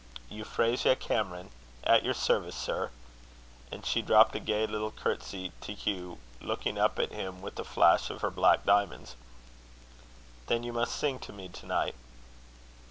"Euphrasia Cameron; at your service, sir." And she dropped a gay little courtesy to Hugh, looking up at him with a flash of her black diamonds. "Then you must sing to me to night."